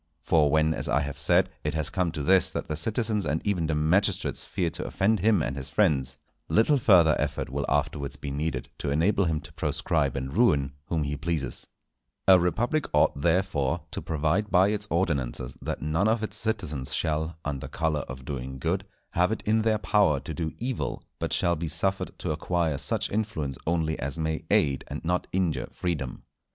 For when, as I have said, it has come to this that the citizens and even the magistrates fear to offend him and his friends, little further effort will afterwards be needed to enable him to proscribe and ruin whom he pleases. Quod omnia mala exempla ex bonis initiis orta sunt. (Sall. Cat. 51.) A republic ought, therefore, to provide by its ordinances that none of its citizens shall, under colour of doing good, have it in their power to do evil, but shall be suffered to acquire such influence only as may aid and not injure freedom.